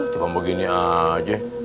cuma begini aja